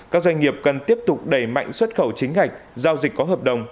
các doanh nghiệp cần tiếp tục đẩy mạnh xuất khẩu chính ngạch giao dịch có hợp đồng